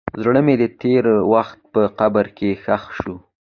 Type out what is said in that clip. زړه مې د تېر وخت په قبر کې ښخ شو.